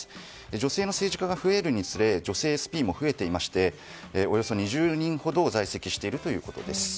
女性の政治家が増えるにつれ女性のＳＰも増えていましておよそ２０人ほど在籍しているということです。